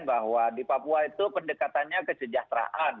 bahwa di papua itu pendekatannya kesejahteraan